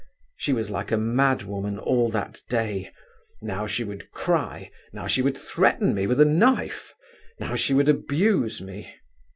She was like a madwoman all that day; now she would cry; now she would threaten me with a knife; now she would abuse me.